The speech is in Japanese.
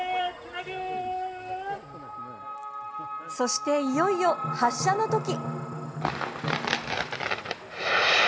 そしていよいよ発射の時。